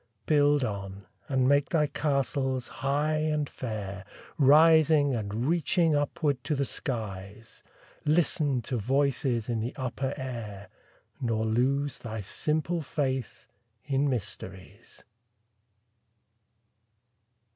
Build on, and make thy castles high and fair, Rising and reaching upward to the skies; Listen to voices in the upper air, Nor lose thy simple faith in mysteries.